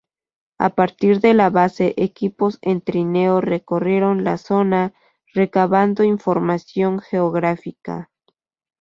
A partir de la base, equipos en trineo recorrieron la zona, recabando información geográfica.